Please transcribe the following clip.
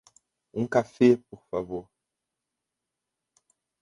Um cafê por favor.